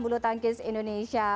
bulu tangkis indonesia